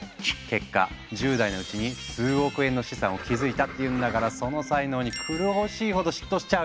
結果１０代のうちに数億円の資産を築いたっていうんだからその才能に狂おしいほど嫉妬しちゃうよね！